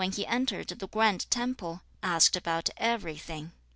He has entered the grand temple and asks about everything.'